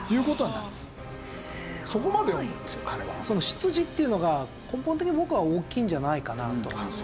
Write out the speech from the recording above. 出自っていうのが根本的に僕は大きいんじゃないかなと。